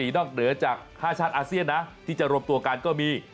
นอกเหนือจาก๕ชาติอาเซียนนะที่จะรวมตัวกันก็มี